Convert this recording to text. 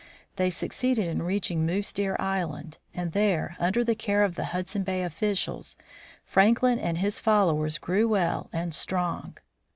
They succeeded in reaching Moose Deer island, and there, under the care of the Hud son bay officials, Franklin and his followers grew well and strong.